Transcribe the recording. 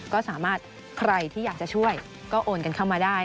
ก็สามารถใครที่อยากจะช่วยก็โอนกันเข้ามาได้